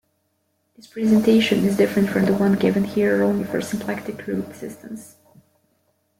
This presentation is different from the one given here only for symplectic root systems.